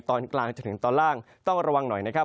ตอนกลางจนถึงตอนล่างต้องระวังหน่อยนะครับ